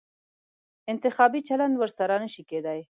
انتخابي چلند ورسره نه شي کېدای.